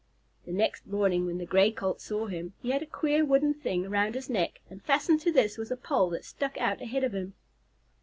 The next morning when the Gray Colt saw him, he had a queer wooden thing around his neck, and fastened to this was a pole that stuck out ahead of him.